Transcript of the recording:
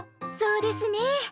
そうですね。